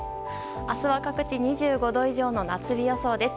明日は各地２５度以上の夏日予想です。